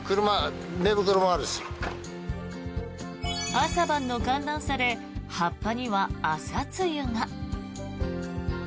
朝晩の寒暖差で葉っぱには朝露が。